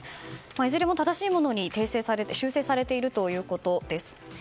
いずれも正しいものに修正されているということです。